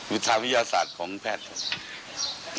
วิทยาวิทยาศาสตร์ของแพทย์